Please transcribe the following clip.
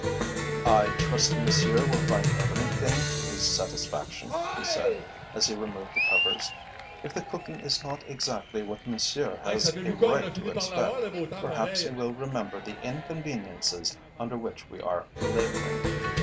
"I trust Monsieur will find everything to his satisfaction," he said, as he removed the covers. "If the cooking is not exactly what Monsieur has a right to expect, perhaps he will remember the inconveniences under which we are labouring.